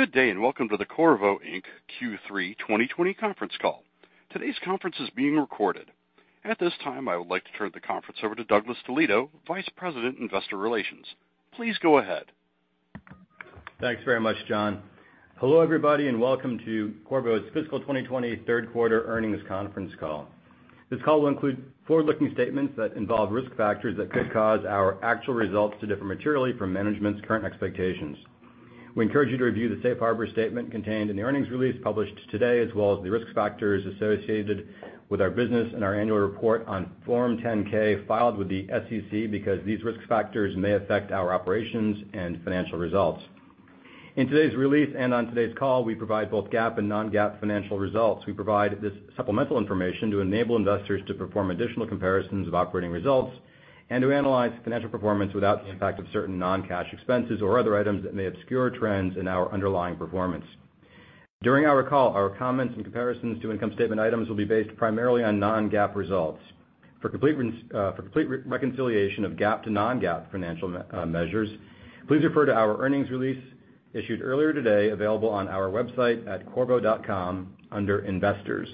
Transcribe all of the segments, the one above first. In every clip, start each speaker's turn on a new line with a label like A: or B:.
A: Good day, welcome to the Qorvo Inc Q3 2020 Conference Call. Today's conference is being recorded. At this time, I would like to turn the conference over to Douglas DeLieto, Vice President, Investor Relations. Please go ahead.
B: Thanks very much, John. Hello, everybody, and welcome to Qorvo's Fiscal 2020 Third Quarter Earnings Conference Call. This call will include forward-looking statements that involve risk factors that could cause our actual results to differ materially from management's current expectations. We encourage you to review the safe harbor statement contained in the earnings release published today, as well as the risk factors associated with our business and our annual report on Form 10-K filed with the SEC, because these risk factors may affect our operations and financial results. In today's release and on today's call, we provide both GAAP and non-GAAP financial results. We provide this supplemental information to enable investors to perform additional comparisons of operating results and to analyze financial performance without the impact of certain non-cash expenses or other items that may obscure trends in our underlying performance. During our call, our comments and comparisons to income statement items will be based primarily on non-GAAP results. For complete reconciliation of GAAP to non-GAAP financial measures, please refer to our earnings release issued earlier today, available on our website at qorvo.com under Investors.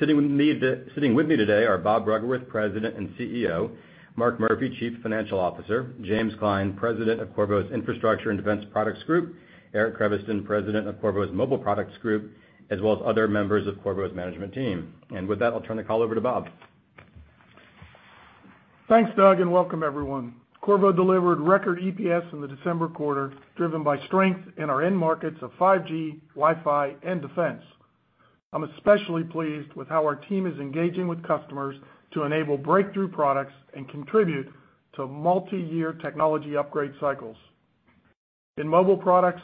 B: Sitting with me today are Bob Bruggeworth, President and CEO, Mark Murphy, Chief Financial Officer, James Klein, President of Qorvo's Infrastructure and Defense Products Group, Eric Creviston, President of Qorvo's Mobile Products Group, as well as other members of Qorvo's management team. With that, I'll turn the call over to Bob.
C: Thanks, Doug, and welcome everyone. Qorvo delivered record EPS in the December quarter, driven by strength in our end markets of 5G, Wi-Fi, and defense. I'm especially pleased with how our team is engaging with customers to enable breakthrough products and contribute to multi-year technology upgrade cycles. In Mobile Products,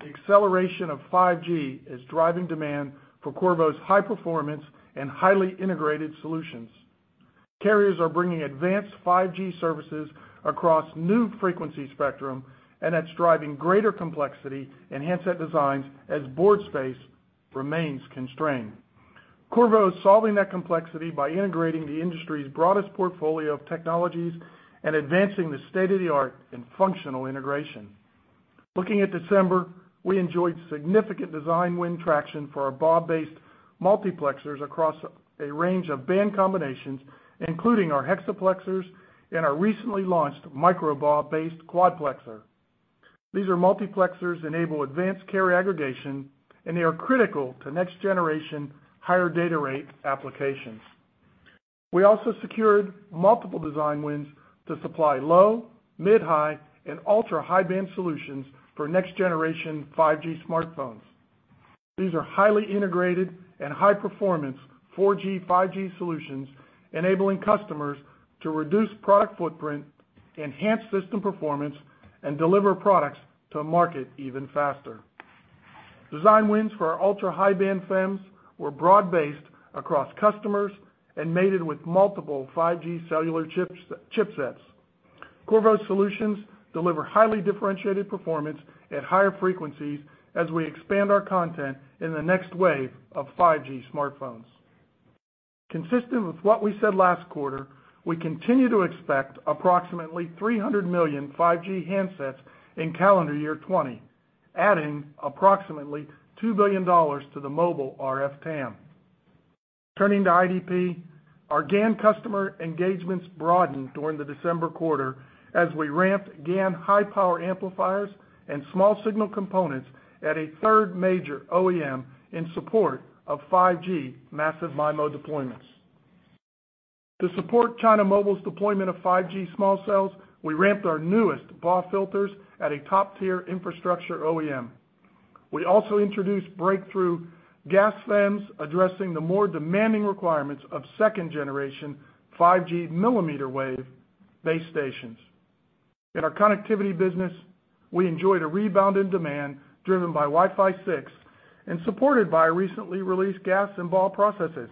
C: the acceleration of 5G is driving demand for Qorvo's high-performance and highly integrated solutions. Carriers are bringing advanced 5G services across new frequency spectrum, and that's driving greater complexity in handset designs as board space remains constrained. Qorvo's solving that complexity by integrating the industry's broadest portfolio of technologies and advancing the state-of-the-art in functional integration. Looking at December, we enjoyed significant design win traction for our BAW-based multiplexers across a range of band combinations, including our hexaplexers and our recently launched micro BAW-based quadplexer. These are multiplexers enable advanced carrier aggregation. They are critical to next-generation higher data rate applications. We also secured multiple design wins to supply low, mid-high, and ultra-high-band solutions for next-generation 5G smartphones. These are highly integrated and high-performance 4G/5G solutions, enabling customers to reduce product footprint, enhance system performance, and deliver products to market even faster. Design wins for our ultra-high-band FEMs were broad-based across customers and mated with multiple 5G cellular chipsets. Qorvo's solutions deliver highly differentiated performance at higher frequencies as we expand our content in the next wave of 5G smartphones. Consistent with what we said last quarter, we continue to expect approximately 300 million 5G handsets in calendar year 2020, adding approximately $2 billion to the mobile RF TAM. Turning to IDP, our GaN customer engagements broadened during the December quarter as we ramped GaN high-power amplifiers and small signal components at a third major OEM in support of 5G massive MIMO deployments. To support China Mobile's deployment of 5G small cells, we ramped our newest BAW filters at a top-tier infrastructure OEM. We also introduced breakthrough GaAs FEMs addressing the more demanding requirements of second-generation 5G millimeter wave base stations. In our connectivity business, we enjoyed a rebound in demand driven by Wi-Fi 6 and supported by our recently released GaAs and BAW processes.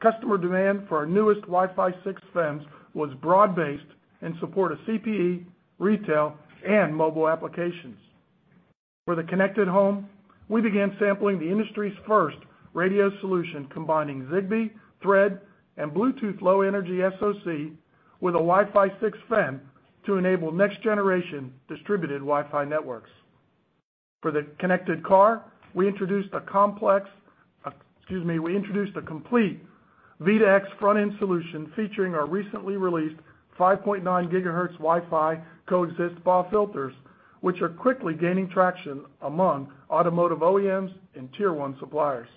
C: Customer demand for our newest Wi-Fi 6 FEMs was broad-based and support a CPE, retail, and mobile applications. For the connected home, we began sampling the industry's first radio solution combining Zigbee, Thread, and Bluetooth Low Energy SoC with a Wi-Fi 6 FEM to enable next-generation distributed Wi-Fi networks. For the connected car, we introduced a complete V2X front-end solution featuring our recently released 5.9 GHz Wi-Fi coexist BAW filters, which are quickly gaining traction among automotive OEMs and Tier 1 suppliers.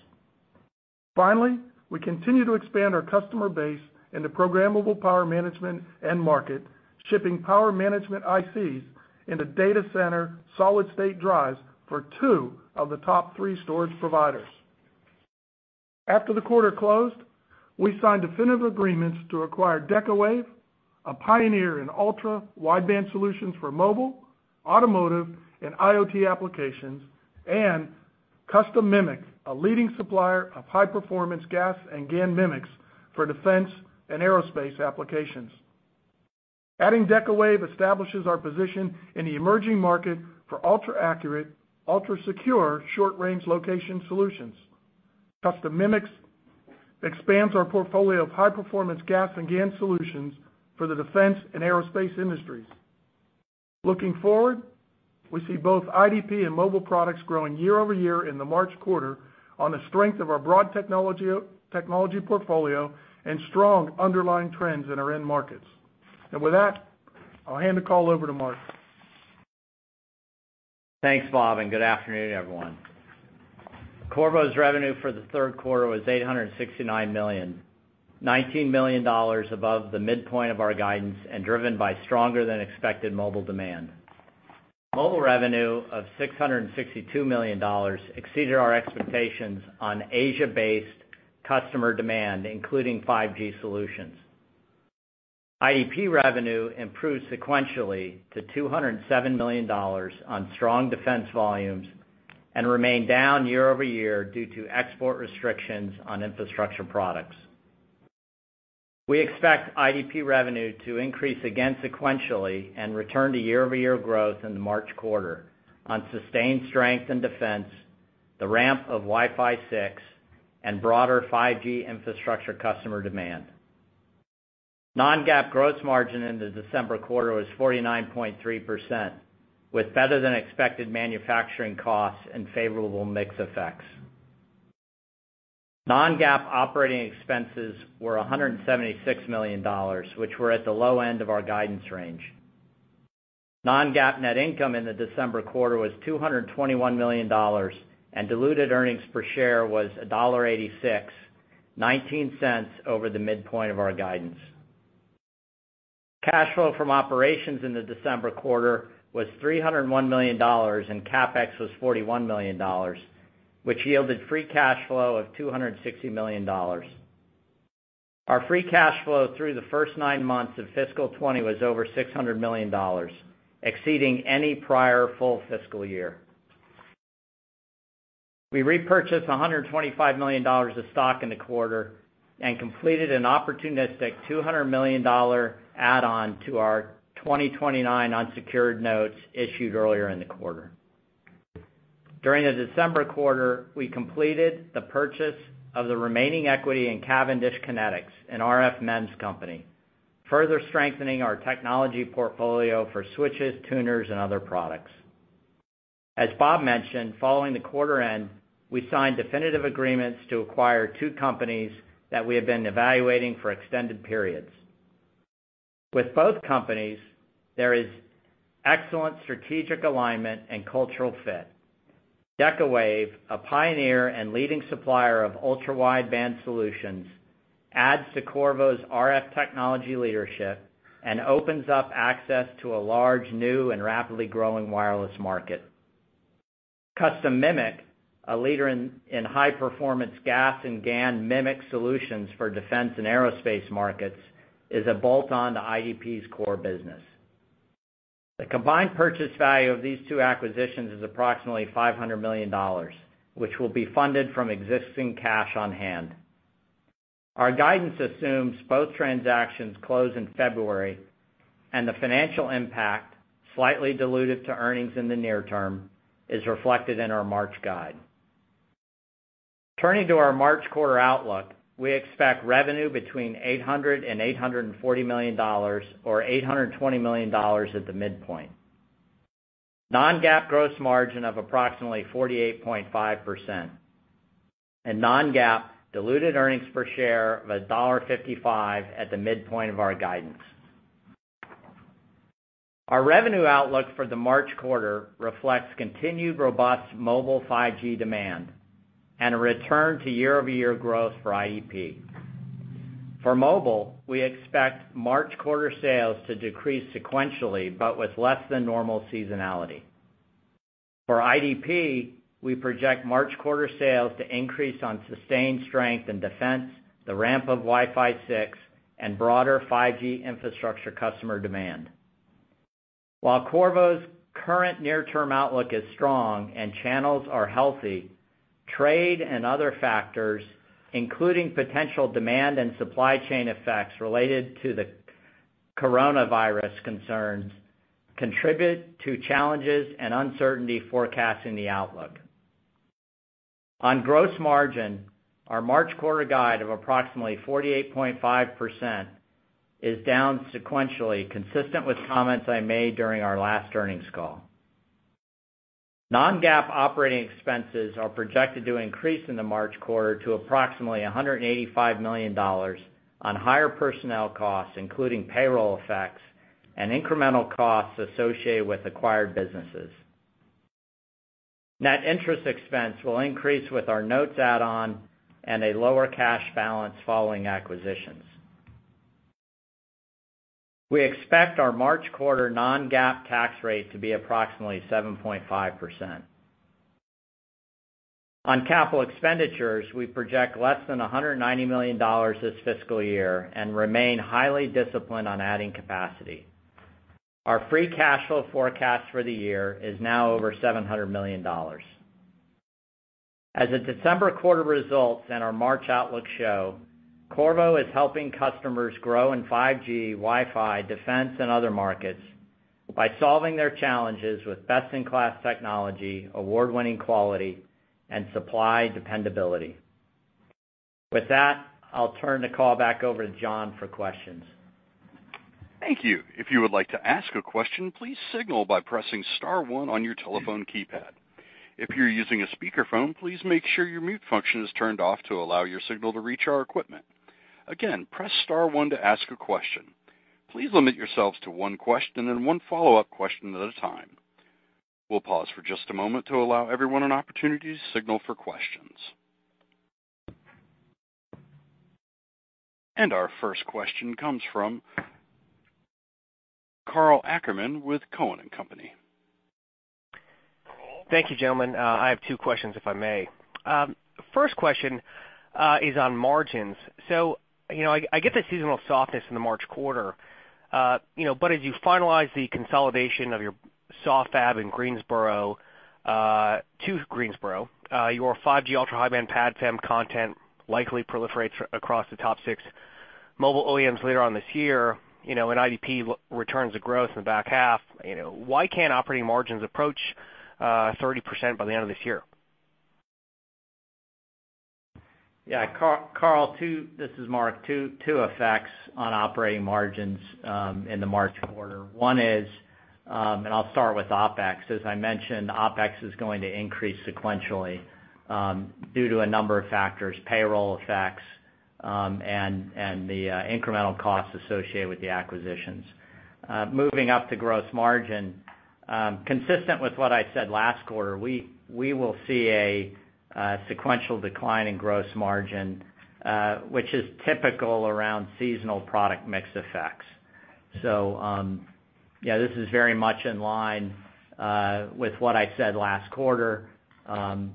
C: Finally, we continue to expand our customer base in the programmable power management end market, shipping power management ICs into data center solid-state drives for two of the top three storage providers. After the quarter closed, we signed definitive agreements to acquire Decawave, a pioneer in ultra-wideband solutions for mobile, automotive, and IoT applications, and Custom MMIC, a leading supplier of high-performance GaAs and GaN MMICs for defense and aerospace applications. Adding Decawave establishes our position in the emerging market for ultra-accurate, ultra-secure short-range location solutions. Custom MMIC expands our portfolio of high-performance GaAs and GaN solutions for the defense and aerospace industries. Looking forward, we see both IDP and Mobile Products growing year-over-year in the March quarter on the strength of our broad technology portfolio and strong underlying trends in our end markets. With that, I'll hand the call over to Mark.
D: Thanks, Bob. Good afternoon, everyone. Qorvo's revenue for the third quarter was $869 million. $19 million above the midpoint of our guidance, driven by stronger than expected mobile demand. Mobile revenue of $662 million exceeded our expectations on Asia-based customer demand, including 5G solutions. IDP revenue improved sequentially to $207 million on strong defense volumes, remained down year-over-year due to export restrictions on infrastructure products. We expect IDP revenue to increase again sequentially and return to year-over-year growth in the March quarter on sustained strength and defense, the ramp of Wi-Fi 6, and broader 5G infrastructure customer demand. Non-GAAP gross margin in the December quarter was 49.3%, with better than expected manufacturing costs and favorable mix effects. Non-GAAP operating expenses were $176 million, which were at the low end of our guidance range. Non-GAAP net income in the December quarter was $221 million, and diluted earnings per share was $1.86, $0.19 over the midpoint of our guidance. Cash flow from operations in the December quarter was $301 million, and CapEx was $41 million, which yielded free cash flow of $260 million. Our free cash flow through the first nine months of fiscal 2020 was over $600 million, exceeding any prior full fiscal year. We repurchased $125 million of stock in the quarter and completed an opportunistic $200 million add-on to our 2029 unsecured notes issued earlier in the quarter. During the December quarter, we completed the purchase of the remaining equity in Cavendish Kinetics, an RF MEMS company, further strengthening our technology portfolio for switches, tuners, and other products. As Bob mentioned, following the quarter end, we signed definitive agreements to acquire two companies that we have been evaluating for extended periods. With both companies, there is excellent strategic alignment and cultural fit. Decawave, a pioneer and leading supplier of ultra-wideband solutions, adds to Qorvo's RF technology leadership and opens up access to a large, new and rapidly growing wireless market. Custom MMIC, a leader in high-performance GaAs and GaN MMIC solutions for defense and aerospace markets, is a bolt-on to IDP's core business. The combined purchase value of these two acquisitions is approximately $500 million, which will be funded from existing cash on hand. Our guidance assumes both transactions close in February, the financial impact, slightly diluted to earnings in the near term, is reflected in our March guide. Turning to our March quarter outlook, we expect revenue between $800 million and $840 million, or $820 million at the midpoint. Non-GAAP gross margin of approximately 48.5%. Non-GAAP diluted earnings per share of $1.55 at the midpoint of our guidance. Our revenue outlook for the March quarter reflects continued robust Mobile 5G demand and a return to year-over-year growth for IDP. For Mobile, we expect March quarter sales to decrease sequentially, but with less than normal seasonality. For IDP, we project March quarter sales to increase on sustained strength in defense, the ramp of Wi-Fi 6, and broader 5G infrastructure customer demand. While Qorvo's current near-term outlook is strong and channels are healthy, trade and other factors, including potential demand and supply chain effects related to the coronavirus concerns, contribute to challenges and uncertainty forecasting the outlook. On gross margin, our March quarter guide of approximately 48.5% is down sequentially, consistent with comments I made during our last earnings call. Non-GAAP operating expenses are projected to increase in the March quarter to approximately $185 million on higher personnel costs, including payroll effects and incremental costs associated with acquired businesses. Net interest expense will increase with our notes add-on and a lower cash balance following acquisitions. We expect our March quarter non-GAAP tax rate to be approximately 7.5%. On capital expenditures, we project less than $190 million this fiscal year and remain highly disciplined on adding capacity. Our free cash flow forecast for the year is now over $700 million. As the December quarter results and our March outlook show, Qorvo is helping customers grow in 5G, Wi-Fi, defense, and other markets by solving their challenges with best-in-class technology, award-winning quality, and supply dependability. With that, I'll turn the call back over to John for questions.
A: Thank you. If you would like to ask a question, please signal by pressing star one on your telephone keypad. If you're using a speakerphone, please make sure your mute function is turned off to allow your signal to reach our equipment. Again, press star one to ask a question. Please limit yourselves to one question and one follow-up question at a time. We'll pause for just a moment to allow everyone an opportunity to signal for questions. Our first question comes from Karl Ackerman with Cowen and Company.
E: Thank you, gentlemen. I have two questions, if I may. First question is on margins. I get the seasonal softness in the March quarter, but as you finalize the consolidation of your SAW fab in Greensboro to Greensboro, your 5G ultra-high-band pad FEM content likely proliferates across the top six mobile OEMs later on this year, and IDP returns to growth in the back half. Why can't operating margins approach 30% by the end of this year?
D: Karl, this is Mark. Two effects on operating margins in the March quarter. One is, I'll start with OpEx. As I mentioned, OpEx is going to increase sequentially due to a number of factors, payroll effects, and the incremental costs associated with the acquisitions. Moving up to gross margin, consistent with what I said last quarter, we will see a sequential decline in gross margin, which is typical around seasonal product mix effects. Yeah, this is very much in line with what I said last quarter, about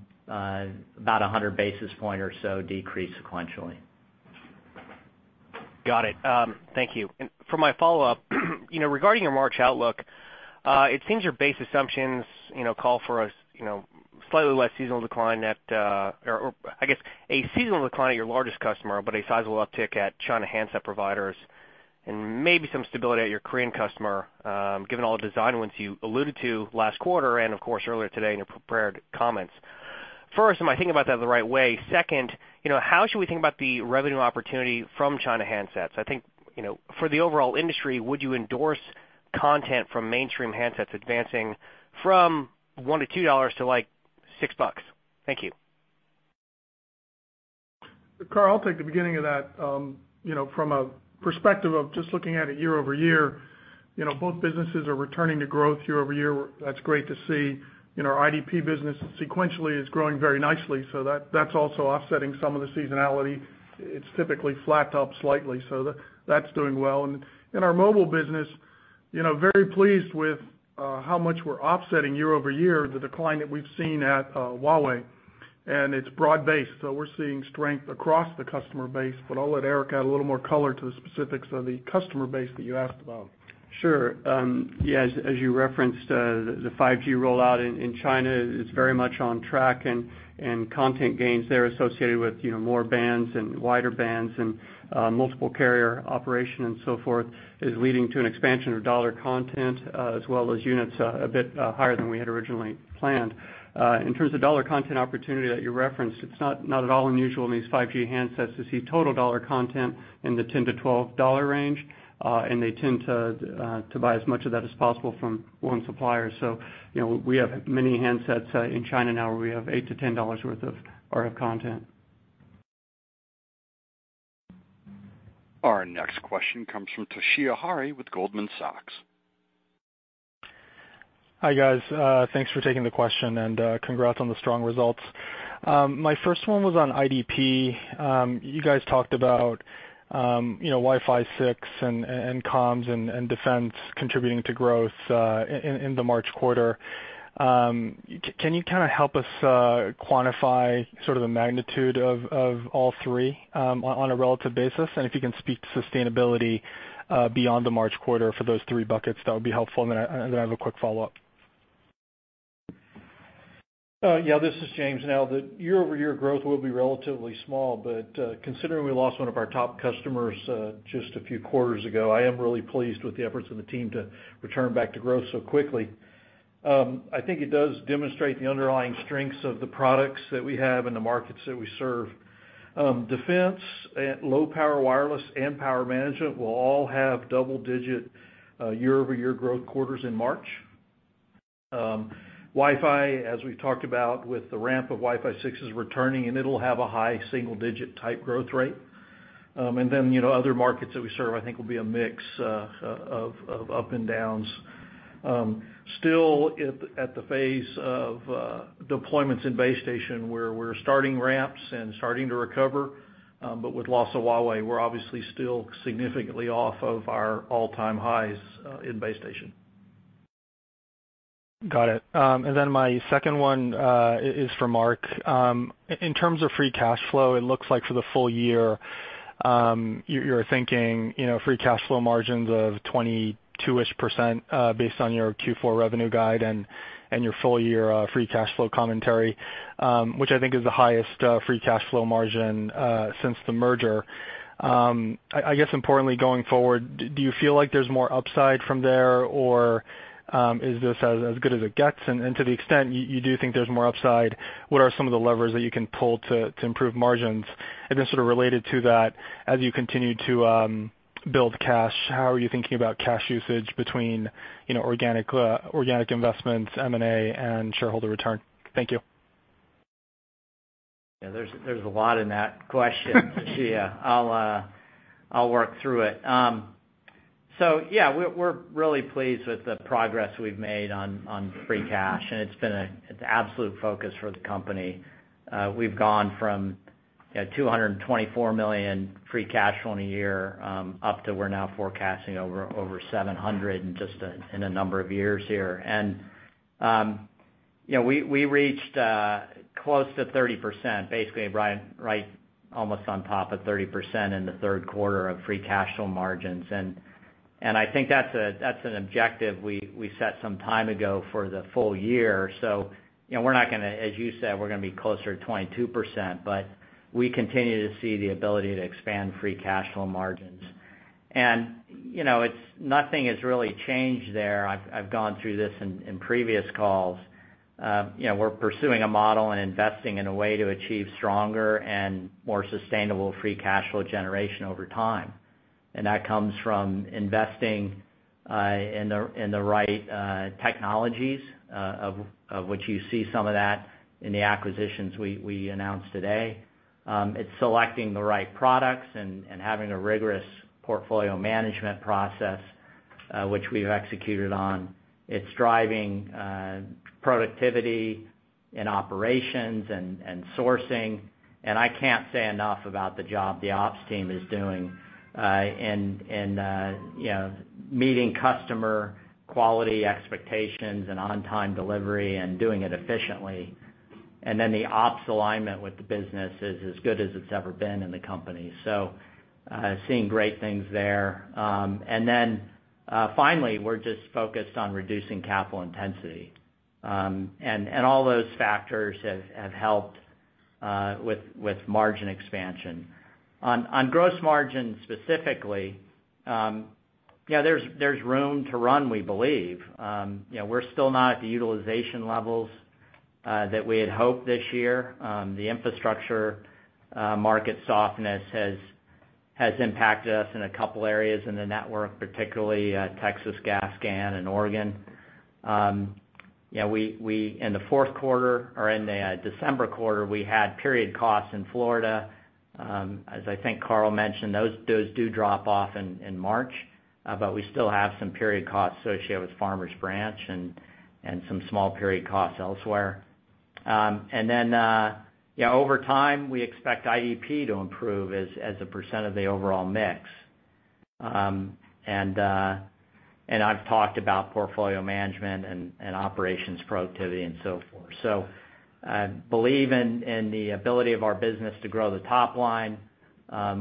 D: 100 basis point or so decrease sequentially.
E: Got it. Thank you. For my follow-up, regarding your March outlook, it seems your base assumptions call for a slightly less seasonal decline, a seasonal decline at your largest customer, but a sizable uptick at China handset providers and maybe some stability at your Korean customer, given all the design wins you alluded to last quarter and, of course, earlier today in your prepared comments. First, am I thinking about that the right way? Second, how should we think about the revenue opportunity from China handsets? I think, for the overall industry, would you endorse content from mainstream handsets advancing from $1 to $2 to, like, $6? Thank you.
F: Karl, I'll take the beginning of that. From a perspective of just looking at it year-over-year, both businesses are returning to growth year-over-year. That's great to see. Our IDP business sequentially is growing very nicely, that's also offsetting some of the seasonality. It's typically flat to up slightly. That's doing well. In our Mobile Products business, very pleased with how much we're offsetting year-over-year the decline that we've seen at Huawei. It's broad-based, we're seeing strength across the customer base, I'll let Eric add a little more color to the specifics of the customer base that you asked about.
G: Sure. Yeah, as you referenced, the 5G rollout in China is very much on track and content gains there associated with more bands and wider bands and multiple carrier operation and so forth is leading to an expansion of dollar content as well as units a bit higher than we had originally planned. In terms of dollar content opportunity that you referenced, it is not at all unusual in these 5G handsets to see total dollar content in the $10-$12 range. They tend to buy as much of that as possible from one supplier. We have many handsets in China now where we have $8-$10 worth of RF content.
A: Our next question comes from Toshiya Hari with Goldman Sachs.
H: Hi, guys. Thanks for taking the question and congrats on the strong results. My first one was on IDP. You guys talked about Wi-Fi 6 and comms and defense contributing to growth in the March quarter. You kind of help us quantify sort of the magnitude of all three on a relative basis? If you can speak to sustainability beyond the March quarter for those three buckets, that would be helpful. I have a quick follow-up.
F: Yeah, this is James. The year-over-year growth will be relatively small, but considering we lost one of our top customers just a few quarters ago, I am really pleased with the efforts of the team to return back to growth so quickly. I think it does demonstrate the underlying strengths of the products that we have and the markets that we serve. Defense and low-power wireless and power management will all have double-digit year-over-year growth quarters in March. Wi-Fi, as we've talked about with the ramp of Wi-Fi 6's returning, it'll have a high single-digit type growth rate. Other markets that we serve I think will be a mix of up and downs. Still at the phase of deployments in base station where we're starting ramps and starting to recover, but with loss of Huawei, we're obviously still significantly off of our all-time highs in base station.
H: Got it. My second one is for Mark. In terms of free cash flow, it looks like for the full year, you're thinking free cash flow margins of 22% based on your Q4 revenue guide and your full-year free cash flow commentary, which I think is the highest free cash flow margin since the merger. I guess importantly going forward, do you feel like there's more upside from there, or is this as good as it gets? To the extent you do think there's more upside, what are some of the levers that you can pull to improve margins? Sort of related to that, as you continue to build cash, how are you thinking about cash usage between organic investments, M&A, and shareholder return? Thank you.
D: There's a lot in that question, Toshiya. I'll work through it. We're really pleased with the progress we've made on free cash, and it's an absolute focus for the company. We've gone from $224 million free cash flow in a year up to we're now forecasting over $700 million in just a number of years here. We reached close to 30%, basically, Brian, right almost on top of 30% in the third quarter of free cash flow margins. I think that's an objective we set some time ago for the full year. As you said, we're going to be closer to 22%, but we continue to see the ability to expand free cash flow margins. Nothing has really changed there. I've gone through this in previous calls. We're pursuing a model and investing in a way to achieve stronger and more sustainable free cash flow generation over time. That comes from investing in the right technologies of which you see some of that in the acquisitions we announced today. It's selecting the right products and having a rigorous portfolio management process, which we've executed on. It's driving productivity in operations and sourcing. I can't say enough about the job the ops team is doing in meeting customer quality expectations and on-time delivery and doing it efficiently. The ops alignment with the business is as good as it's ever been in the company. Seeing great things there. Finally, we're just focused on reducing capital intensity. All those factors have helped with margin expansion. On gross margin specifically, there's room to run, we believe. We're still not at the utilization levels that we had hoped this year. The infrastructure market softness has impacted us in a couple areas in the network, particularly Texas GaAs GaN and Oregon. In the fourth quarter or in the December quarter, we had period costs in Florida. As I think Karl mentioned, those do drop off in March, but we still have some period costs associated with Farmers Branch and some small period costs elsewhere. Over time, we expect IDP to improve as a percent of the overall mix. I've talked about portfolio management and operations productivity and so forth. I believe in the ability of our business to grow the top line.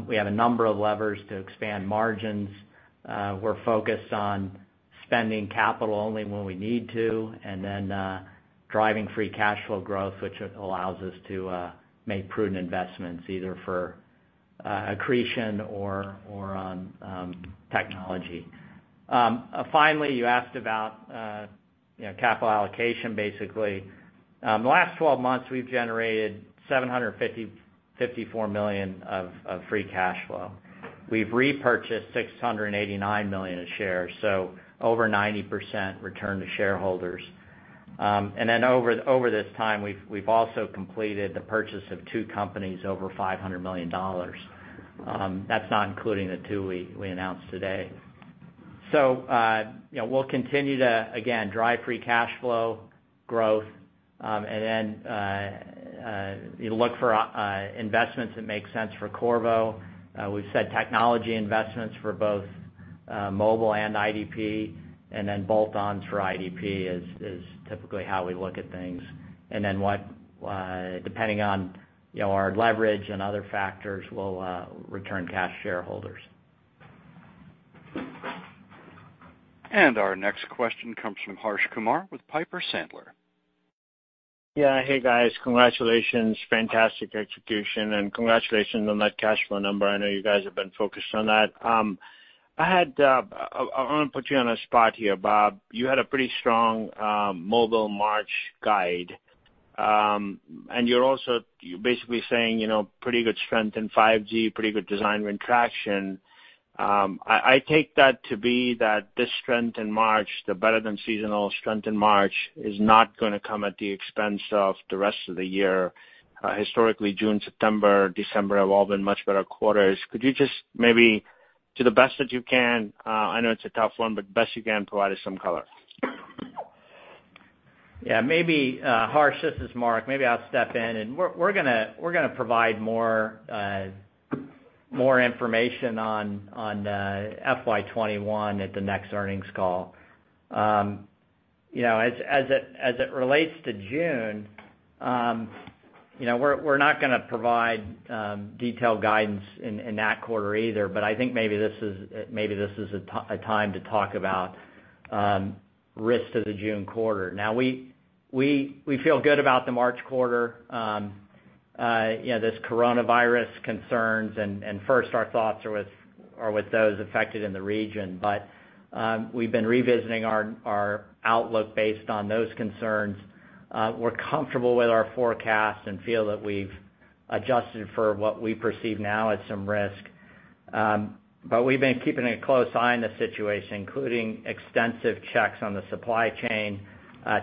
D: We have a number of levers to expand margins. We're focused on spending capital only when we need to, and then driving free cash flow growth, which allows us to make prudent investments either for accretion or on technology. Finally, you asked about capital allocation, basically. The last 12 months, we've generated $754 million of free cash flow. We've repurchased $689 million of shares, so over 90% return to shareholders. Over this time, we've also completed the purchase of two companies over $500 million. That's not including the two we announced today. We'll continue to, again, drive free cash flow growth and then look for investments that make sense for Qorvo. We've said technology investments for both Mobile and IDP, and then bolt-ons for IDP is typically how we look at things. Depending on our leverage and other factors, we'll return cash to shareholders.
A: Our next question comes from Harsh Kumar with Piper Sandler.
I: Yeah. Hey, guys. Congratulations. Fantastic execution, and congratulations on that cash flow number. I know you guys have been focused on that. I want to put you on a spot here, Bob. You had a pretty strong mobile March guide. You're also basically saying pretty good strength in 5G, pretty good design win traction. I take that to be that this strength in March, the better than seasonal strength in March, is not going to come at the expense of the rest of the year. Historically, June, September, December have all been much better quarters. Could you just maybe to the best that you can, I know it's a tough one, but best you can, provide us some color?
D: Harsh, this is Mark. Maybe I'll step in. We're going to provide more information on FY '21 at the next earnings call. As it relates to June, we're not going to provide detailed guidance in that quarter either, but I think maybe this is a time to talk about risks to the June quarter. Now, we feel good about the March quarter. There's coronavirus concerns, and first, our thoughts are with those affected in the region. We've been revisiting our outlook based on those concerns. We're comfortable with our forecast and feel that we've adjusted for what we perceive now as some risk. We've been keeping a close eye on the situation, including extensive checks on the supply chain.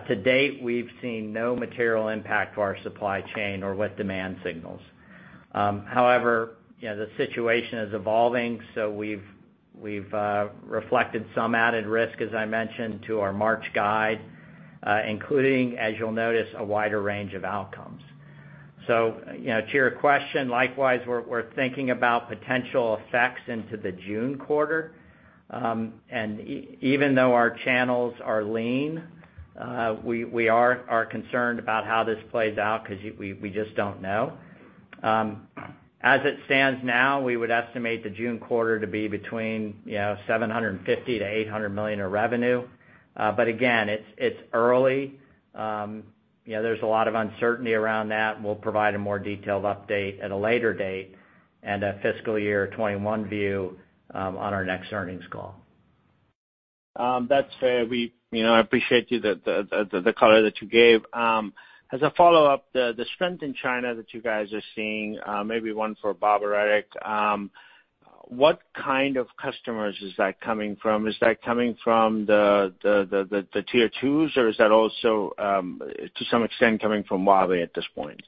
D: To date, we've seen no material impact to our supply chain or with demand signals. The situation is evolving, we've reflected some added risk, as I mentioned, to our March guide, including, as you'll notice, a wider range of outcomes. To your question, likewise, we're thinking about potential effects into the June quarter. Even though our channels are lean, we are concerned about how this plays out because we just don't know. As it stands now, we would estimate the June quarter to be between $750 million-$800 million of revenue. Again, it's early. There's a lot of uncertainty around that, and we'll provide a more detailed update at a later date and a FY '21 view on our next earnings call.
I: That's fair. I appreciate the color that you gave. As a follow-up, the strength in China that you guys are seeing, maybe one for Bob or Eric, what kind of customers is that coming from? Is that coming from the Tier 2s, or is that also, to some extent, coming from Huawei at this point?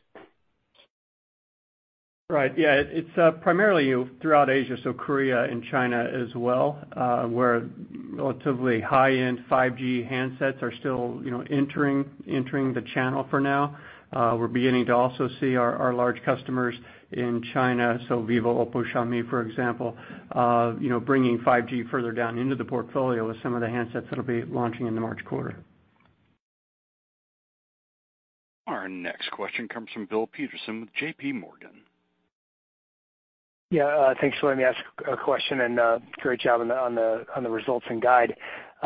G: Right. Yeah, it's primarily throughout Asia, so Korea and China as well, where relatively high-end 5G handsets are still entering the channel for now. We're beginning to also see our large customers in China, so Vivo, Oppo, Xiaomi, for example, bringing 5G further down into the portfolio with some of the handsets that'll be launching in the March quarter.
A: Our next question comes from Bill Peterson with JPMorgan.
J: Yeah, thanks for letting me ask a question. Great job on the results and guide.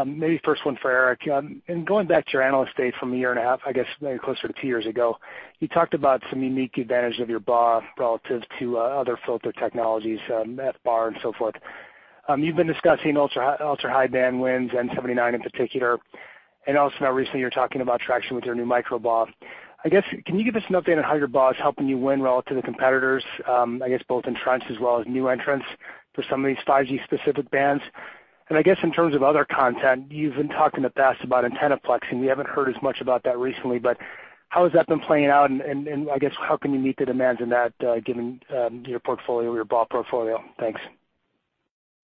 J: Maybe first one for Eric. Going back to your Analyst Day from a year and a half, I guess maybe closer to two years ago, you talked about some unique advantages of your BAW relative to other filter technologies, FBAR, and so forth. You've been discussing ultra-high-band wins, N79 in particular, and also now recently, you're talking about traction with your new micro BAW. I guess, can you give us an update on how your BAW is helping you win relative to competitors, I guess both entrenched as well as new entrants for some of these 5G-specific bands? I guess in terms of other content, you've been talking in the past about antenna plexing. We haven't heard as much about that recently, but how has that been playing out, and I guess how can you meet the demands in that given your BAW portfolio? Thanks.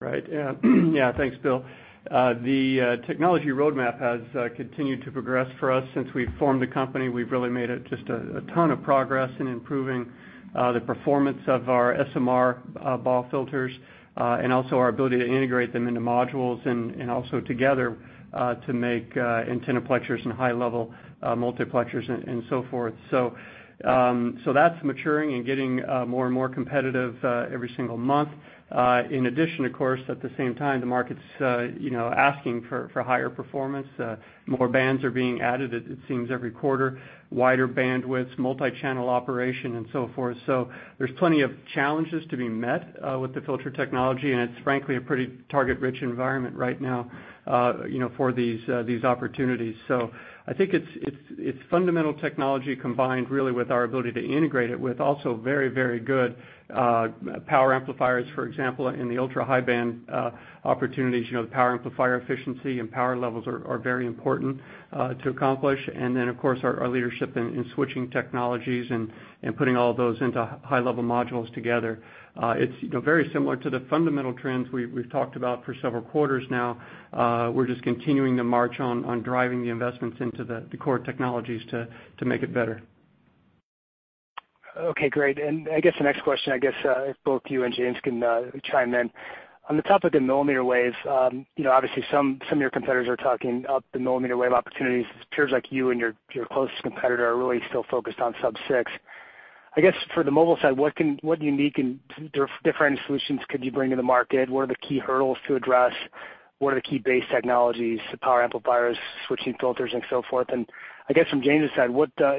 G: Right. Yeah. Thanks, Bill. The technology roadmap has continued to progress for us. Since we've formed the company, we've really made just a ton of progress in improving the performance of our SMR BAW filters and also our ability to integrate them into modules and also together to make antenna plexers and high-level multiplexers and so forth. That's maturing and getting more and more competitive every single month. In addition, of course, at the same time, the market's asking for higher performance. More bands are being added, it seems, every quarter, wider bandwidths, multi-channel operation, and so forth. There's plenty of challenges to be met with the filter technology, and it's frankly a pretty target-rich environment right now for these opportunities. I think it's fundamental technology combined really with our ability to integrate it with also very good power amplifiers. For example, in the ultra-high-band opportunities, the power amplifier efficiency and power levels are very important to accomplish. Of course, our leadership in switching technologies and putting all those into high-level modules together. It's very similar to the fundamental trends we've talked about for several quarters now. We're just continuing to march on driving the investments into the core technologies to make it better.
J: Okay, great. I guess the next question, I guess if both you and James can chime in. On the topic of millimeter waves, obviously some of your competitors are talking up the millimeter wave opportunities. It appears like you and your closest competitor are really still focused on sub-6. I guess for the Mobile side, what unique and different solutions could you bring to the market? What are the key hurdles to address? What are the key base technologies, the power amplifiers, switching filters, and so forth? I guess from James' side,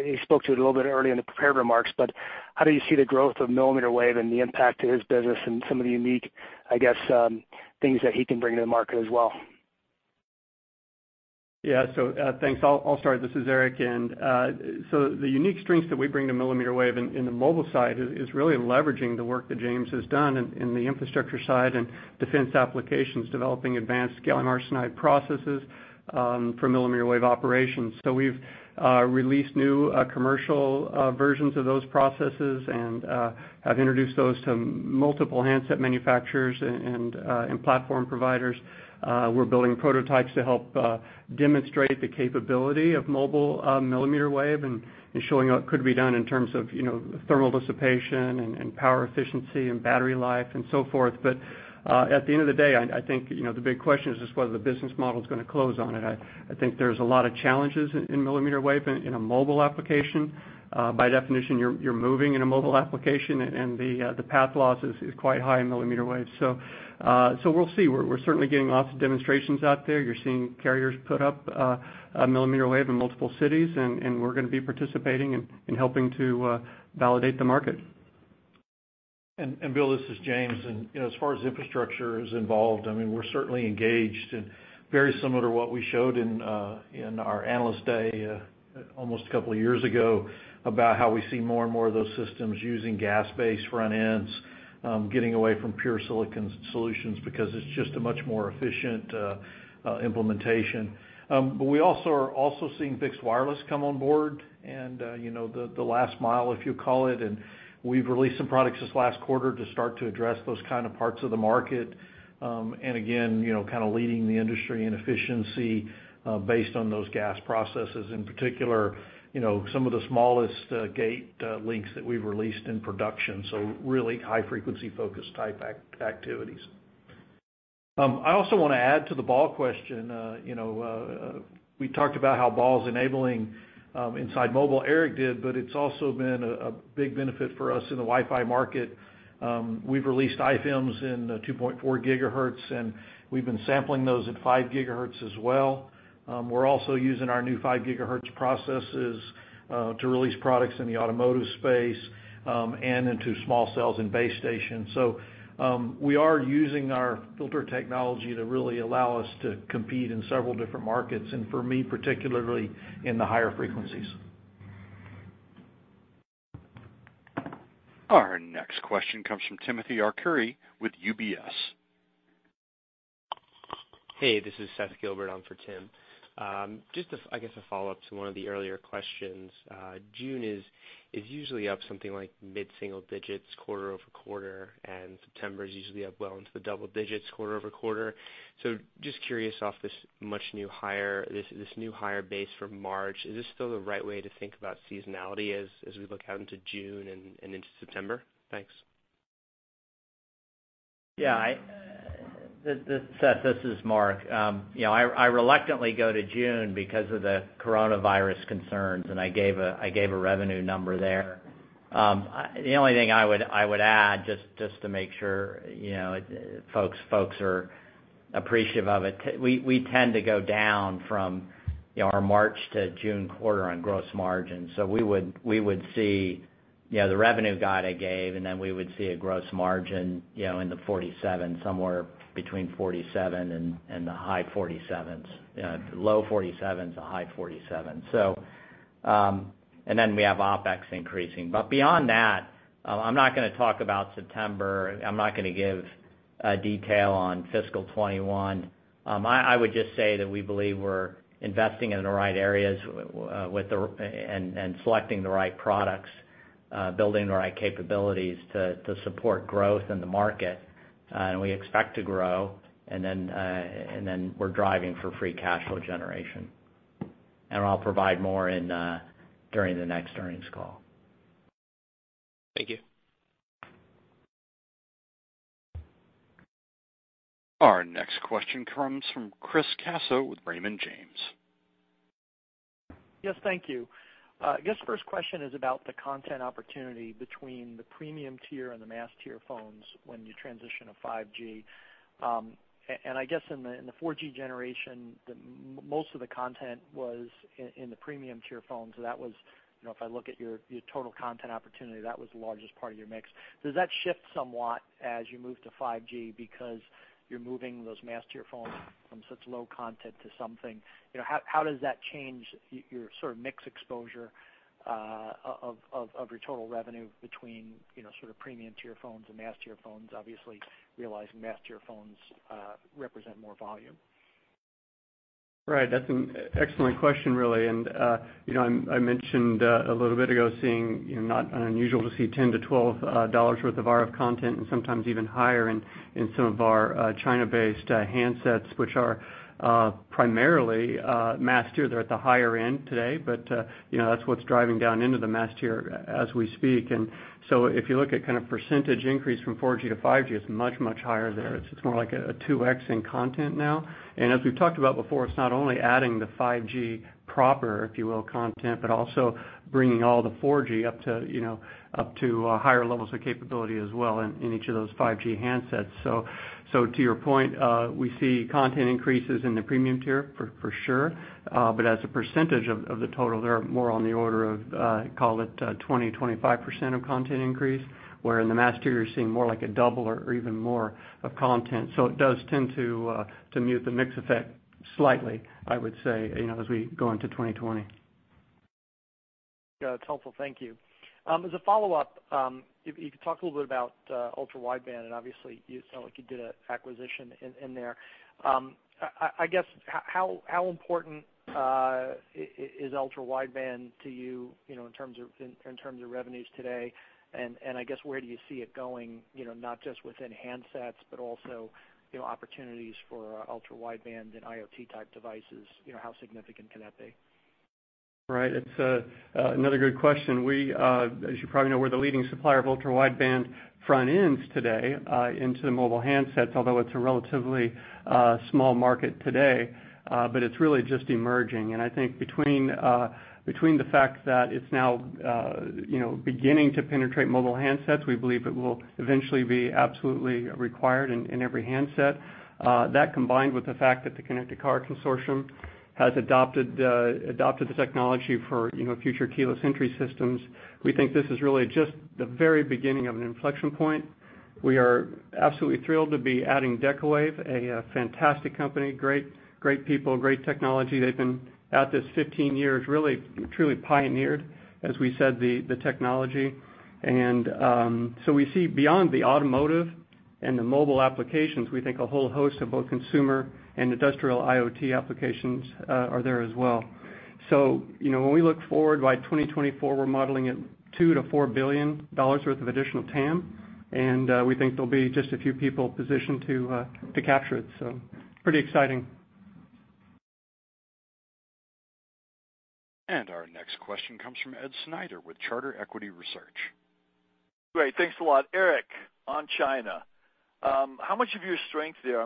J: you spoke to it a little bit earlier in the prepared remarks, but how do you see the growth of millimeter wave and the impact to his business and some of the unique, I guess, things that he can bring to the market as well?
G: Yeah. Thanks. I'll start. This is Eric. The unique strengths that we bring to millimeter wave in the mobile side is really leveraging the work that James has done in the infrastructure side and defense applications, developing advanced gallium arsenide processes for millimeter wave operations. We've released new commercial versions of those processes and have introduced those to multiple handset manufacturers and platform providers. We're building prototypes to help demonstrate the capability of mobile millimeter wave and showing what could be done in terms of thermal dissipation and power efficiency and battery life and so forth. At the end of the day, I think the big question is just whether the business model's going to close on it. I think there's a lot of challenges in millimeter wave in a mobile application. By definition, you're moving in a mobile application, and the path loss is quite high in millimeter wave. We'll see. We're certainly getting lots of demonstrations out there. You're seeing carriers put up a millimeter wave in multiple cities, and we're going to be participating in helping to validate the market.
F: Bill, this is James. As far as infrastructure is involved, we're certainly engaged and very similar to what we showed in our Analyst Day almost a couple of years ago, about how we see more and more of those systems using GaAs-based front ends, getting away from pure silicon solutions, because it's just a much more efficient implementation. We are also seeing fixed wireless come on board and the last mile, if you call it, and we've released some products this last quarter to start to address those kind of parts of the market. Again, kind of leading the industry in efficiency, based on those GaAs processes in particular, some of the smallest gate lengths that we've released in production. Really high-frequency focused type activities. I also want to add to the BAW question. We talked about how BAW's enabling inside Mobile, Eric did, but it's also been a big benefit for us in the Wi-Fi market. We've released FEMs in 2.4 GHz, and we've been sampling those at 5 GHz as well. We're also using our new 5 GHz processes to release products in the automotive space, and into small cells and base stations. We are using our filter technology to really allow us to compete in several different markets, and for me, particularly in the higher frequencies.
A: Our next question comes from Timothy Arcuri with UBS.
K: Hey, this is Seth Gilbert on for Tim. Just, I guess a follow-up to one of the earlier questions. June is usually up something like mid-single digits quarter-over-quarter, and September is usually up well into the double digits quarter-over-quarter. Just curious off this new, higher base for March, is this still the right way to think about seasonality as we look out into June and into September? Thanks.
D: Seth, this is Mark. I reluctantly go to June because of the coronavirus concerns. I gave a revenue number there. The only thing I would add just to make sure folks are appreciative of it, we tend to go down from our March to June quarter on gross margin. We would see the revenue guide I gave. We would see a gross margin in the 47%, somewhere between 47% and the high 47%, low 47% to high 47%. We have OpEx increasing. Beyond that, I'm not going to talk about September. I'm not going to give detail on FY 2021. I would just say that we believe we're investing in the right areas, selecting the right products, building the right capabilities to support growth in the market. We expect to grow. We're driving for free cash flow generation. I'll provide more during the next earnings call.
K: Thank you.
A: Our next question comes from Chris Caso with Raymond James.
L: Yes, thank you. I guess first question is about the content opportunity between the premium tier and the mass tier phones when you transition to 5G. I guess in the 4G generation, most of the content was in the premium tier phones. If I look at your total content opportunity, that was the largest part of your mix. Does that shift somewhat as you move to 5G because you're moving those mass tier phones from such low content to something? How does that change your sort of mix exposure of your total revenue between premium tier phones and mass tier phones, obviously realizing mass tier phones represent more volume?
G: Right. That's an excellent question, really. I mentioned a little bit ago, seeing not unusual to see $10-$12 worth of RF content and sometimes even higher in some of our China-based handsets, which are primarily mass tier. They're at the higher end today. That's what's driving down into the mass tier as we speak. If you look at kind of percentage increase from 4G to 5G, it's much, much higher there. It's more like a 2x in content now. As we've talked about before, it's not only adding the 5G proper, if you will, content, but also bringing all the 4G up to higher levels of capability as well in each of those 5G handsets. To your point, we see content increases in the premium tier for sure. As a percentage of the total, they're more on the order of, call it 20%-25% of content increase. In the mass tier, you're seeing more like a double or even more of content. It does tend to mute the mix effect slightly, I would say, as we go into 2020.
L: Yeah, it's helpful. Thank you. As a follow-up, you could talk a little bit about ultra-wideband, and obviously, you sound like you did an acquisition in there. I guess, how important is ultra-wideband to you in terms of revenues today, and I guess where do you see it going, not just within handsets, but also opportunities for ultra-wideband and IoT type devices, how significant can that be?
G: Right. It's another good question. As you probably know, we're the leading supplier of ultra-wideband front ends today into mobile handsets, although it's a relatively small market today. It's really just emerging, and I think between the fact that it's now beginning to penetrate mobile handsets, we believe it will eventually be absolutely required in every handset. That combined with the fact that the Car Connectivity Consortium has adopted the technology for future keyless entry systems. We think this is really just the very beginning of an inflection point. We are absolutely thrilled to be adding Decawave, a fantastic company, great people, great technology. They've been at this 15 years, really, truly pioneered, as we said, the technology. We see beyond the automotive and the mobile applications, we think a whole host of both consumer and industrial IoT applications are there as well. When we look forward by 2024, we're modeling it $2 billion-$4 billion worth of additional TAM, and we think there'll be just a few people positioned to capture it. Pretty exciting.
A: Our next question comes from Ed Snyder with Charter Equity Research.
M: Great. Thanks a lot. Eric, on China, how much of your strength there, I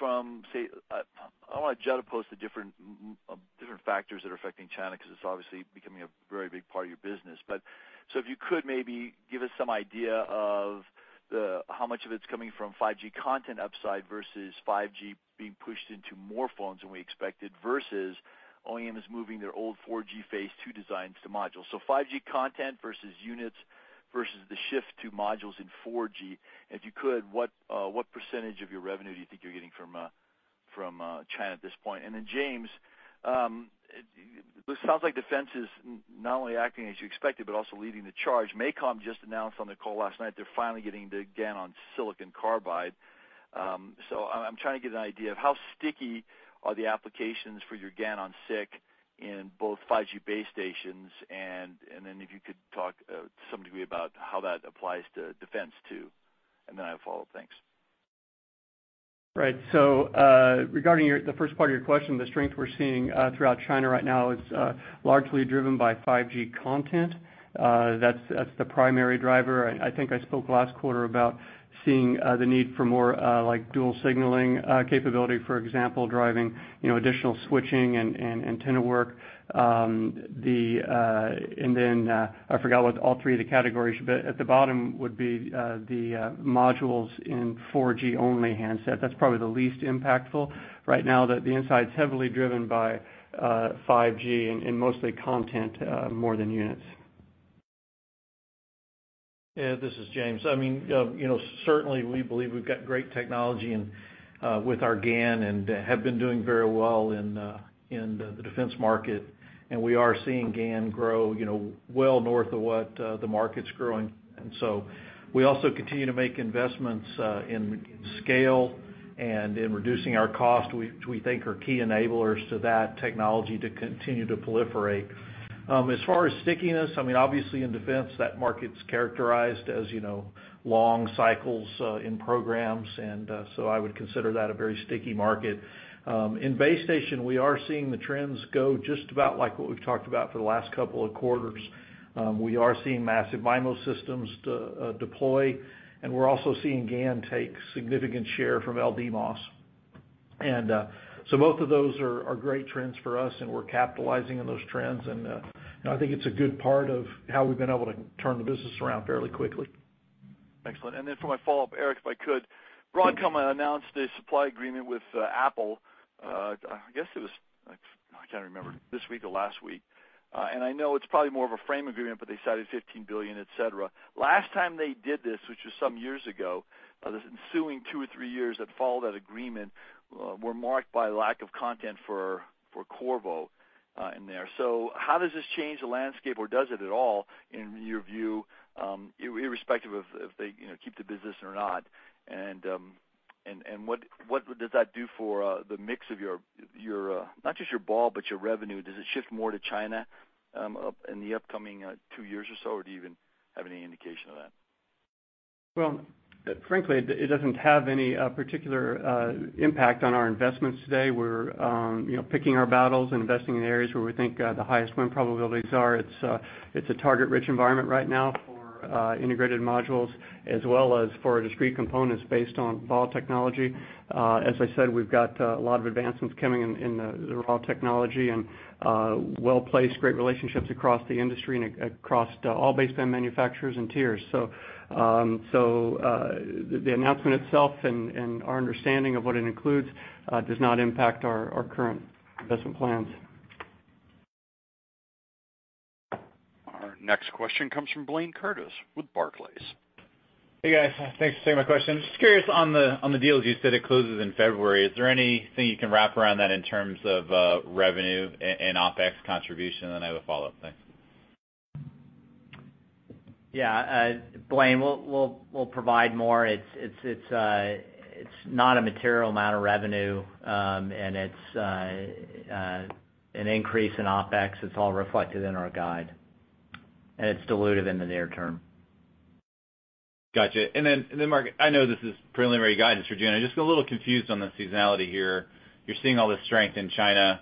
M: want to juxtapose the different factors that are affecting China because it's obviously becoming a very big part of your business. If you could maybe give us some idea of how much of it's coming from 5G content upside versus 5G being pushed into more phones than we expected, versus OEMs moving their old 4G phase two designs to modules. 5G content versus units, versus the shift to modules in 4G. If you could, what % of your revenue do you think you're getting from China at this point? James, it sounds like defense is not only acting as you expected, but also leading the charge. MACOM just announced on the call last night, they're finally getting the GaN on silicon carbide. I'm trying to get an idea of how sticky are the applications for your GaN on SiC in both 5G base stations, if you could talk to some degree about how that applies to defense too, I have a follow-up. Thanks.
G: Right. Regarding the first part of your question, the strength we're seeing throughout China right now is largely driven by 5G content. That's the primary driver. I think I spoke last quarter about seeing the need for more dual signaling capability, for example, driving additional switching and antenna work. I forgot what all three of the categories, but at the bottom would be the modules in 4G only handsets. That's probably the least impactful right now, that the insight's heavily driven by 5G and mostly content more than units.
F: Ed, this is James. Certainly, we believe we've got great technology with our GaN and have been doing very well in the defense market, and we are seeing GaN grow well north of what the market's growing. We also continue to make investments in scale and in reducing our cost, which we think are key enablers to that technology to continue to proliferate. As far as stickiness, obviously in defense, that market's characterized as long cycles in programs, and so I would consider that a very sticky market. In base station, we are seeing the trends go just about like what we've talked about for the last couple of quarters. We are seeing massive MIMO systems deploy, and we're also seeing GaN take significant share from LDMOS. Both of those are great trends for us, and we're capitalizing on those trends, and I think it's a good part of how we've been able to turn the business around fairly quickly.
M: Excellent. For my follow-up, Eric, if I could. Broadcom announced a supply agreement with Apple. I guess it was, I can't remember, this week or last week. I know it's probably more of a frame agreement, but they cited $15 billion, et cetera. Last time they did this, which was some years ago, the ensuing two or three years that followed that agreement were marked by lack of content for Qorvo in there. How does this change the landscape, or does it at all, in your view, irrespective of if they keep the business or not? What does that do for the mix of not just your BAW, but your revenue? Does it shift more to China in the upcoming two years or so, or do you even have any indication of that?
G: Well, frankly, it doesn't have any particular impact on our investments today. We're picking our battles and investing in areas where we think the highest win probabilities are. It's a target-rich environment right now for integrated modules, as well as for our discrete components based on BAW technology. As I said, we've got a lot of advancements coming in the BAW technology and well-placed great relationships across the industry and across all baseband manufacturers and tiers. The announcement itself and our understanding of what it includes does not impact our current investment plans.
A: Our next question comes from Blayne Curtis with Barclays.
N: Hey, guys. Thanks for taking my question. Just curious on the deal, as you said, it closes in February. Is there anything you can wrap around that in terms of revenue and OpEx contribution? Then I have a follow-up. Thanks.
D: Yeah. Blayne, we'll provide more. It's not a material amount of revenue, and it's an increase in OpEx. It's all reflected in our guide. It's dilutive in the near term.
N: Got you. Mark, I know this is preliminary guidance for June. I just got a little confused on the seasonality here. You're seeing all this strength in China.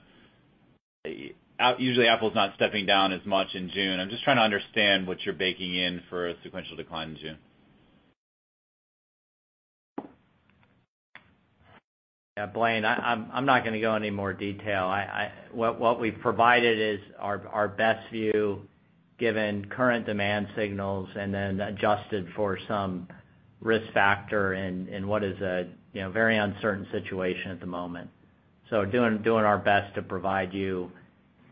N: Usually Apple's not stepping down as much in June. I'm just trying to understand what you're baking in for a sequential decline in June.
D: Yeah. Blayne, I'm not going to go in any more detail. What we've provided is our best view, given current demand signals, and then adjusted for some risk factor in what is a very uncertain situation at the moment. doing our best to provide you.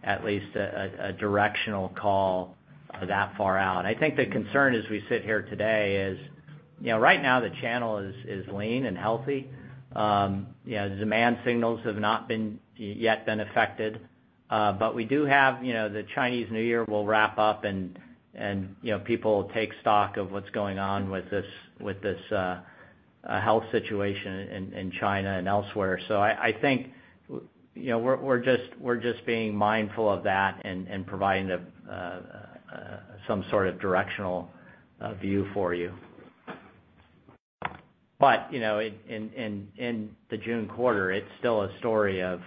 D: At least a directional call that far out. I think the concern as we sit here today is, right now the channel is lean and healthy. Demand signals have not yet been affected. We do have the Chinese New Year will wrap up and people will take stock of what's going on with this health situation in China and elsewhere. I think we're just being mindful of that and providing some sort of directional view for you. In the June quarter, it's still a story of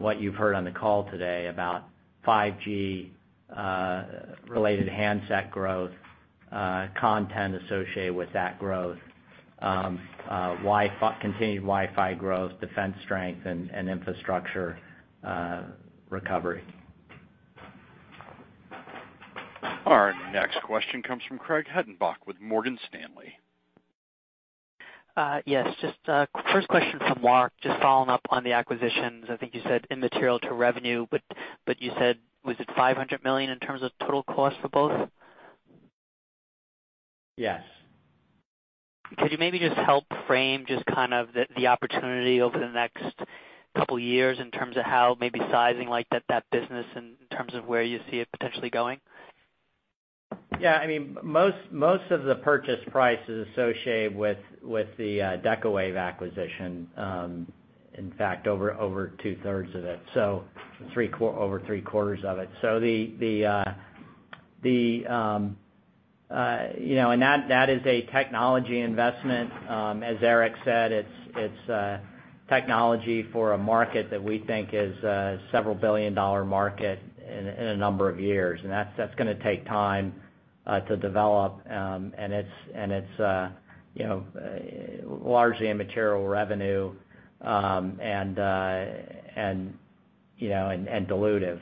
D: what you've heard on the call today about 5G-related handset growth, content associated with that growth, continued Wi-Fi growth, defense strength, and infrastructure recovery.
A: Our next question comes from Craig Hettenbach with Morgan Stanley.
O: Yes. Just first question from Mark, just following up on the acquisitions. I think you said immaterial to revenue, but you said, was it $500 million in terms of total cost for both? Could you maybe just help frame just kind of the opportunity over the next couple of years in terms of how maybe sizing like that business in terms of where you see it potentially going?
D: Yeah. Most of the purchase price is associated with the Decawave acquisition. In fact, over 2/3 of it. Over three-quarters of it. That is a technology investment. As Eric said, it's a technology for a market that we think is a several-billion-dollar market in a number of years. That's going to take time to develop, and it's largely immaterial revenue and dilutive.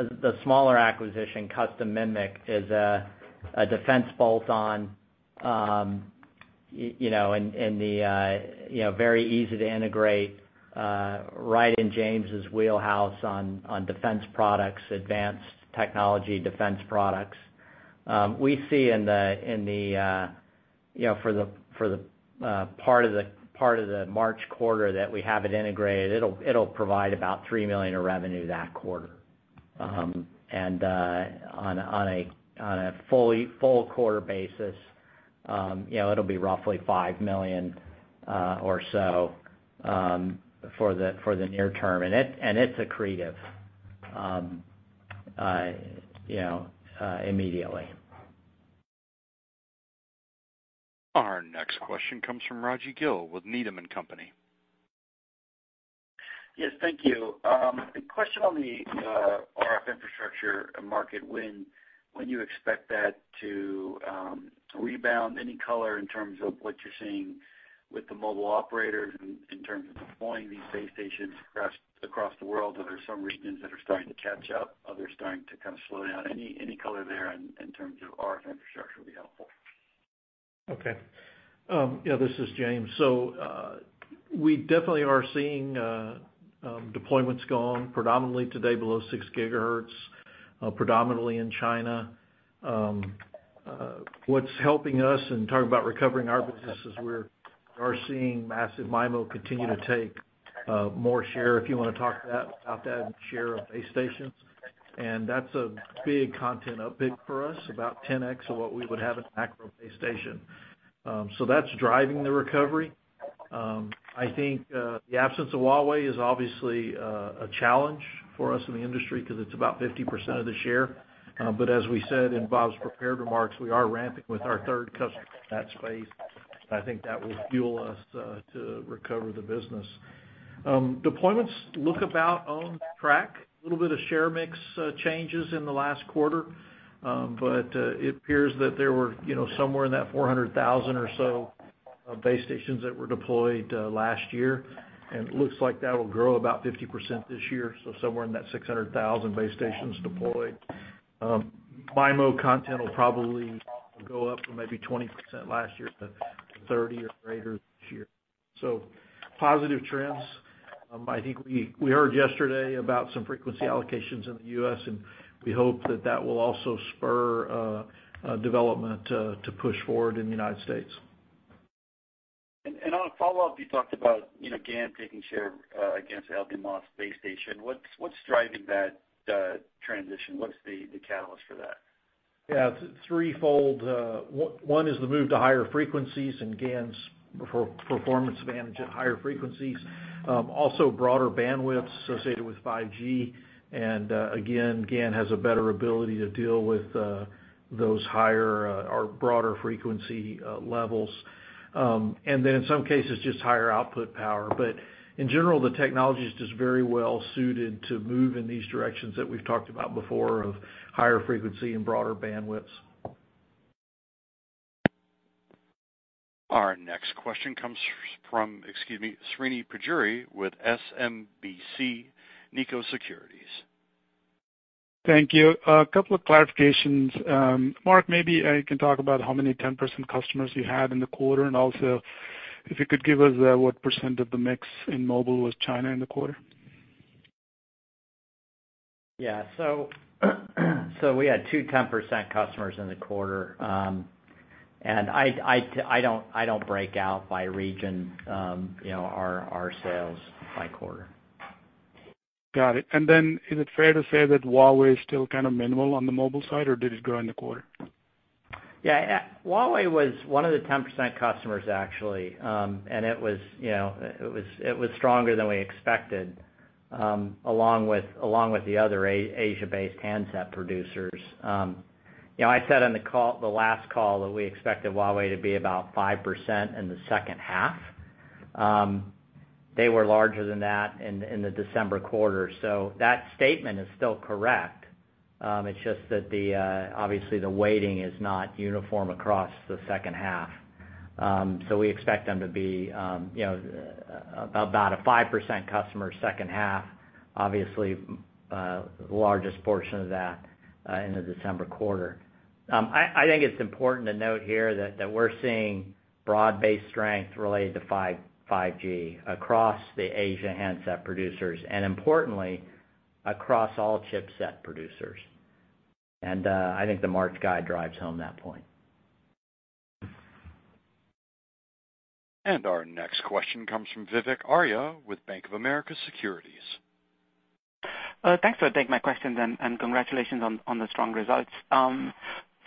D: The smaller acquisition, Custom MMIC, is a defense bolt-on, and very easy to integrate right in James' wheelhouse on defense products, advanced technology defense products. We see for the part of the March quarter that we have it integrated, it will provide about $3 million of revenue that quarter. On a full-quarter basis, it will be roughly $5 million or so for the near term. It's accretive immediately.
A: Our next question comes from Raji Gill with Needham & Company.
P: Yes, thank you. A question on the RF infrastructure market. When do you expect that to rebound? Any color in terms of what you're seeing with the mobile operators in terms of deploying these base stations across the world? Are there some regions that are starting to catch up, others starting to kind of slow down? Any color there in terms of RF infrastructure would be helpful.
F: This is James. We definitely are seeing deployments go on predominantly today below 6 GHz, predominantly in China. What's helping us, and talking about recovering our business, is we are seeing massive MIMO continue to take more share, if you want to talk about that, and share of base stations. That's a big content uptick for us, about 10x of what we would have in macro base station. That's driving the recovery. I think, the absence of Huawei is obviously a challenge for us in the industry because it's about 50% of the share. As we said in Bob's prepared remarks, we are ramping with our third customer in that space. I think that will fuel us to recover the business. Deployments look about on track. A little bit of share mix changes in the last quarter. It appears that there were somewhere in that 400,000 or so base stations that were deployed last year. It looks like that'll grow about 50% this year, somewhere in that 600,000 base stations deployed. MIMO content will probably go up from maybe 20% last year to 30% or greater this year. Positive trends. I think we heard yesterday about some frequency allocations in the U.S. We hope that that will also spur development to push forward in the United States.
P: On a follow-up, you talked about GaN taking share against LDMOS base station. What's driving that transition? What's the catalyst for that?
F: Yeah. It's threefold. One is the move to higher frequencies and GaN's performance advantage at higher frequencies. Broader bandwidth associated with 5G. Again, GaN has a better ability to deal with those higher or broader frequency levels. In some cases, just higher output power. In general, the technology's just very well suited to move in these directions that we've talked about before of higher frequency and broader bandwidths.
A: Our next question comes from, excuse me, Srini Pajjuri with SMBC Nikko Securities.
Q: Thank you. A couple of clarifications. Mark, maybe you can talk about how many 10% customers you had in the quarter, and also if you could give us what % of the mix in Mobile was China in the quarter.
D: Yeah. We had two 10% customers in the quarter. I don't break out by region our sales by quarter.
Q: Got it. Is it fair to say that Huawei is still kind of minimal on the mobile side, or did it grow in the quarter?
D: Yeah. Huawei was one of the 10% customers, actually. It was stronger than we expected, along with the other Asia-based handset producers. I said on the last call that we expected Huawei to be about 5% in the second half. They were larger than that in the December quarter. That statement is still correct, it's just that obviously the weighting is not uniform across the second half. We expect them to be about a 5% customer second half, obviously largest portion of that in the December quarter. I think it's important to note here that we're seeing broad-based strength related to 5G across the Asia handset producers, and importantly, across all chipset producers. I think the March guide drives home that point.
A: Our next question comes from Vivek Arya with Bank of America Securities.
R: Thanks for taking my questions, and congratulations on the strong results.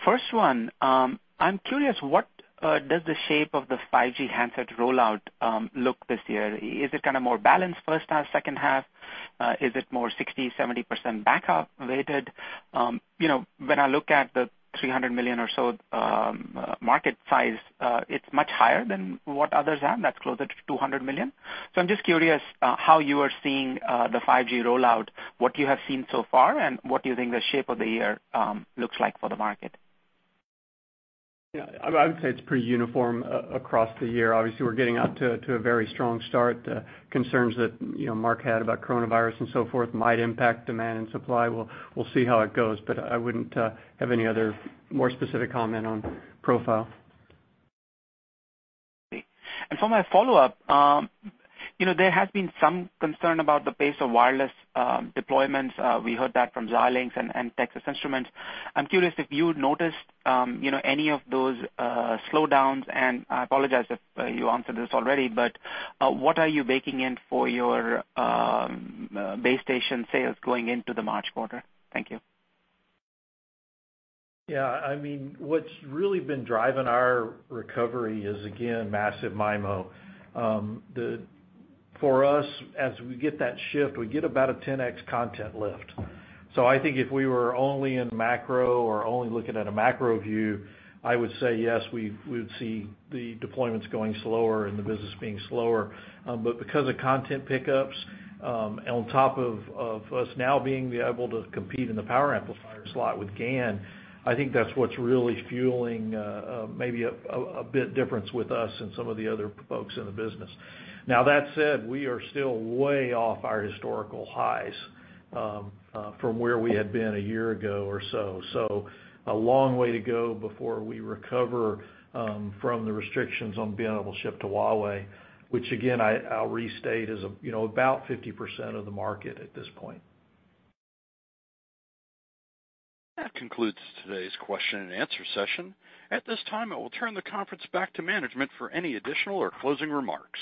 R: First one, I'm curious, what does the shape of the 5G handset rollout look this year? Is it kind of more balanced first half, second half? Is it more 60%-70% back-end weighted? When I look at the $300 million or so market size, it's much higher than what others have, that's closer to $200 million. I'm just curious how you are seeing the 5G rollout, what you have seen so far, and what you think the shape of the year looks like for the market.
G: Yeah, I would say it's pretty uniform across the year. Obviously, we're getting out to a very strong start. Concerns that Mark had about coronavirus and so forth might impact demand and supply. We'll see how it goes, but I wouldn't have any other more specific comment on profile.
R: For my follow-up, there has been some concern about the pace of wireless deployments. We heard that from Xilinx and Texas Instruments. I'm curious if you've noticed any of those slowdowns, and I apologize if you answered this already, but what are you baking in for your base station sales going into the March quarter? Thank you.
F: What's really been driving our recovery is, again, massive MIMO. For us, as we get that shift, we get about a 10x content lift. I think if we were only in macro or only looking at a macro view, I would say yes, we would see the deployments going slower and the business being slower. Because of content pickups, on top of us now being able to compete in the power amplifier slot with GaN, I think that's what's really fueling maybe a bit difference with us and some of the other folks in the business. That said, we are still way off our historical highs from where we had been a year ago or so. A long way to go before we recover from the restrictions on being able to ship to Huawei, which again, I'll restate, is about 50% of the market at this point.
A: That concludes today's question-and-answer session. At this time, I will turn the conference back to management for any additional or closing remarks.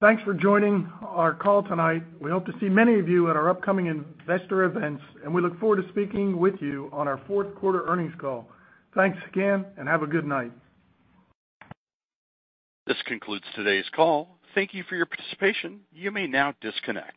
C: Thanks for joining our call tonight. We hope to see many of you at our upcoming investor events, and we look forward to speaking with you on our Fourth Quarter Earnings Call. Thanks again, and have a good night.
A: This concludes today's call. Thank you for your participation. You may now disconnect.